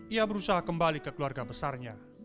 ia berusaha kembali ke keluarga besarnya